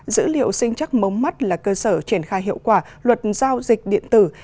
dữ liệu sinh chắc mống mắt là cơ sở triển khai hiệu quả luật giao dịch điện tử